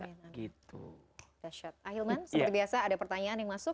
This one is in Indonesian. ahilman seperti biasa ada pertanyaan yang masuk